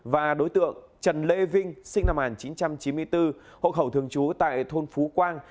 và đối tượng trần lê vinh sinh năm một nghìn chín trăm chín mươi bốn hộ khẩu thường trú tại thôn phú quang